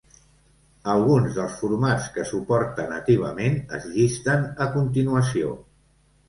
Alguns dels formats que suporta nativament es llisten a continuació.